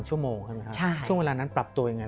เขาก็จะเปลี่ยนไปเรื่อย